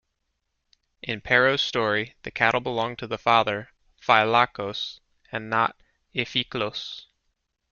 In Pero's story, the cattle belong to the father Phylakos and not Iphiklos.